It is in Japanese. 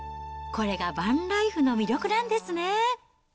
これがバンライフの魅力なんですね。